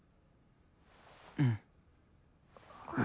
うん。